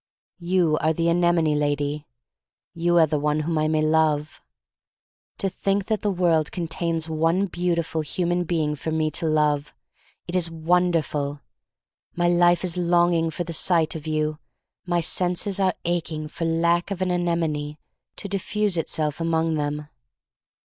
'You are the anemone lady. 'You are the one whom I may love. 'To think that the world contains one beautiful human being for me to love! "It is wonderful. *'My life is longing for the sight of you. My senses are aching for lack of an anemone to diffuse itself among them.